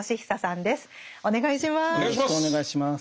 お願いします。